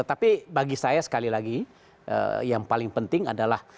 tapi bagi saya sekali lagi yang paling penting adalah